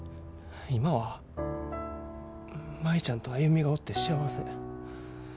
今は舞ちゃんと歩がおって幸せ。